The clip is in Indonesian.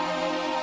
baik aku penuh hati